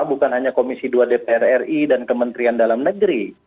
bukan hanya komisi dua dpr ri dan kementerian dalam negeri